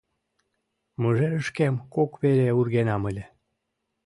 Мыжерышкем кок вере ургенам ыле...